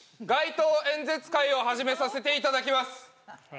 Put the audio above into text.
街頭演説会を始めさせていただきます